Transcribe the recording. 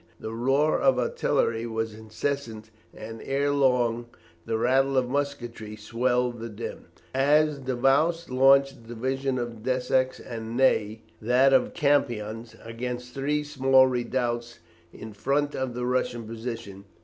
The roar of artillery was incessant, and ere long the rattle of musketry swelled the din, as Davoust launched the division of Desaix, and Ney that of Campans, against three small redoubts in front of the Russian position.